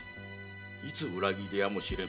いつ裏切るやもしれぬ。